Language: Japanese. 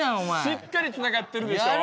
しっかりつながってるでしょ。